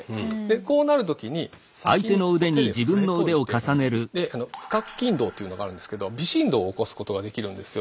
こうなる時に不覚筋動というのがあるんですけど微振動を起こすことができるんですよ。